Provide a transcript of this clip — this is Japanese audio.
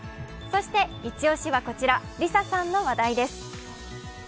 そしてイチ押しは、こちらＬｉＳＡさんの話題です。